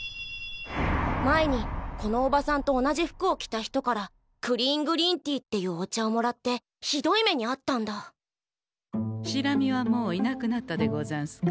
前にこのおばさんと同じ服を着た人からクリーングリーンティっていうお茶をもらってひどい目にあったんだシラミはもういなくなったでござんすか？